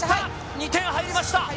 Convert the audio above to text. ２点入りました。